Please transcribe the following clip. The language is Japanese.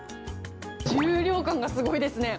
重量感がすごいですね。